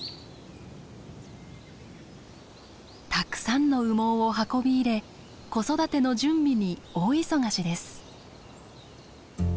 たくさんの羽毛を運び入れ子育ての準備に大忙しです。